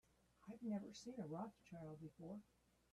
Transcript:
I have never seen a Rothschild before.